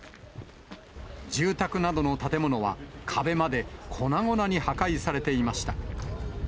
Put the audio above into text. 住宅などの建物は壁まで粉々に破壊されていました。